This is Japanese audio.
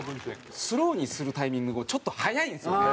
スローにするタイミングもちょっと早いんですよね。